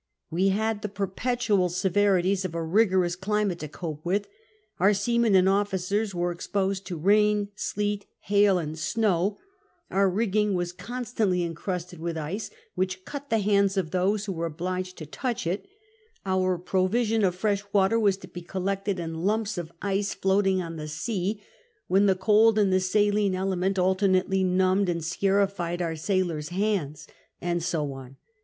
... We had the perpetual severities of a rigorous climate to cope with. Our seamen and officers were exposed to rain, sleet, hail, and snow; our rigging was constantly en crusted with ice, which cut the hsinds of those who were obliged to touch it ; our provision of fresh water was to be collected in lumps of ice floating on the sea, when the cold and the saline element alternately numbed and scarified our sailors' hands ;" and so on.